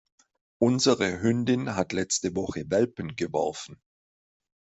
Unsere Hündin hat letzte Woche Welpen geworfen.